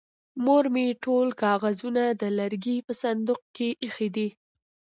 مور مې ټول کاغذونه د لرګي په صندوق کې ايښې دي.